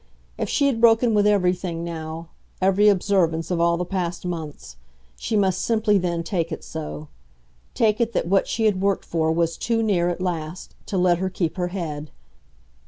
If she had broken with everything now, every observance of all the past months, she must simply then take it so take it that what she had worked for was too near, at last, to let her keep her head.